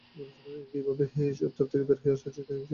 কীভাবে এসব চাপ থেকে বের হয়ে আসা যায়, তা-ই শেখানো হচ্ছে এখানে।